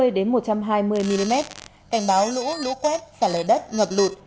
cảnh báo lũ lũ quét xả lời đất ngập lụt